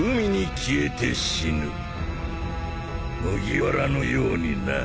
麦わらのようにな。